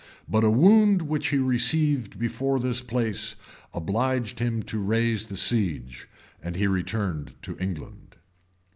} but a wound which he received before this place, obliged him to raise the siege; and he returned to England.